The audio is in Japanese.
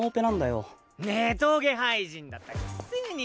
ネトゲ廃人だったくせに。